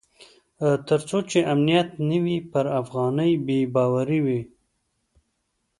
تر څو امنیت نه وي پر افغانۍ بې باوري وي.